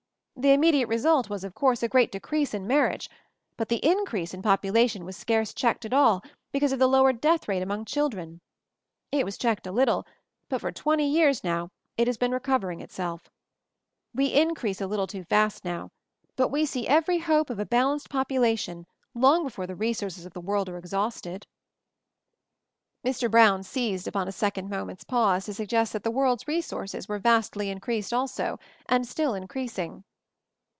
The immediate result was, of course, a great decrease in marriage; but the increase in population was scarce checked at all because of the lowered death rate among children. It was checked a little ; but for twenty years MOVING THE MOUNTAIN 133 now, it has been recovering itself. We in crease a little too fast now, but see every hope of a balanced population long before the resources of the world are exhausted." Mr. Brown seized upon a second moment's pause to suggest that the world's resources were vastly increased also — and still in creasing.